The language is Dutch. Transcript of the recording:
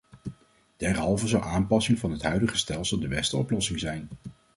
Derhalve zou aanpassing van het huidige stelsel de beste oplossing zijn.